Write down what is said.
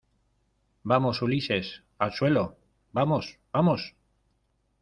¡ vamos! Ulises, al suelo , vamos. ¡ vamos !